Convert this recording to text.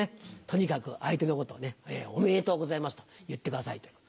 とにかく相手のことをね「おめでとうございます」と言ってくださいという。